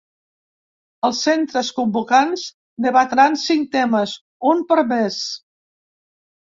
Els centres convocants debatran cinc temes, un per mes.